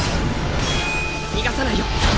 逃がさないよ。